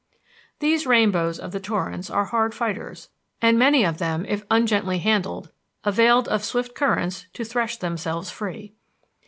These rainbows of the torrents are hard fighters. And many of them, if ungently handled, availed of swift currents to thresh themselves free.